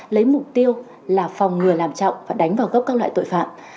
lấy mục tiêu là phòng ngừa làm trọng và đánh vào gốc các loại tội phạm